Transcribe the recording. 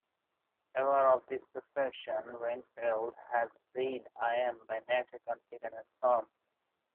Aware of this perception, Reinfeldt has said I am by nature confident and calm.